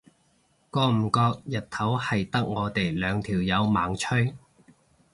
覺唔覺日頭係得我哋兩條友猛吹？